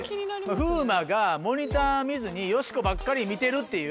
風磨がモニター見ずによしこばっかり見てるっていう。